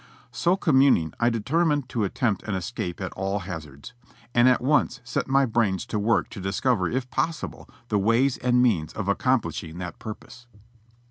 So communing, I determined to attempt an escape at all hazards, and at once set my brains to work to discov^er if possible the ways and means of accomplishing that purpose.